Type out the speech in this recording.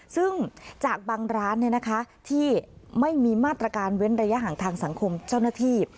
ซึ่งจากบางร้านที่ไม่มีมาตรการเว้นระยะห่างทางสังคมเจ้าหน้าที่